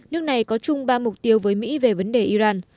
nước này có chung ba mục tiêu với mỹ về vấn đề iran